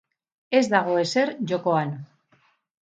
Ez dago ezer jokoan.